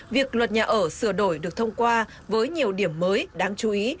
việc luật nhà ở sửa đổi được thông qua với nhiều điểm mới đáng chú ý